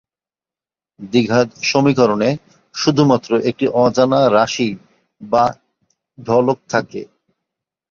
দ্বিঘাত সমীকরণে শুধুমাত্র একটি অজানা রাশি বা চলক থাকে।